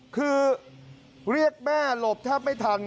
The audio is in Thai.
คือเรียกแม่หลบแทบไม่ทัน